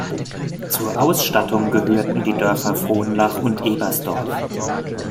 Zur Ausstattung gehörten die Dörfer Frohnlach und Ebersdorf.